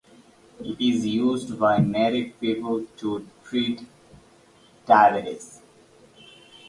It is used by native people to treat diabetes.